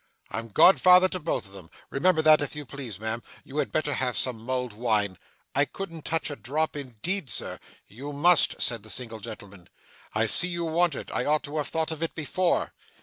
'I'm godfather to both of 'em. Remember that, if you please, ma'am. You had better have some mulled wine.' 'I couldn't touch a drop indeed, sir.' 'You must,' said the single gentleman. 'I see you want it. I ought to have thought of it before.